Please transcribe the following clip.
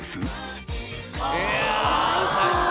いやあ最高！